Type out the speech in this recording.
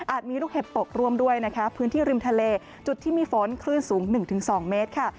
มีลูกเห็บตกร่วมด้วยนะคะพื้นที่ริมทะเลจุดที่มีฝนคลื่นสูง๑๒เมตรค่ะ